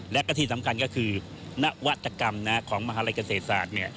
และก็ที่สำคัญก็คือนวัตกรรมของมหาลัยเกษตรศาสตร์